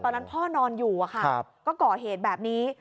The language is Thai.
ตอนนั้นพ่อนอนอยู่อะค่ะก็ก่อเหตุแบบนี้